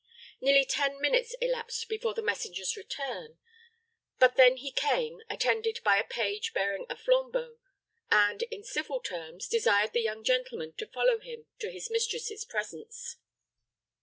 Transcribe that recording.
Nearly ten minutes elapsed before the messenger's return; but then he came, attended by a page bearing a flambeau, and, in civil terms, desired the young gentleman to follow him to his mistress's presence.